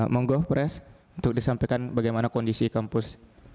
monggo pres untuk disampaikan bagaimana kondisi kampus